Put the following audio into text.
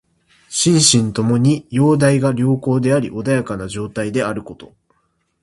心身ともに様態が良好であり穏やかな状態であること。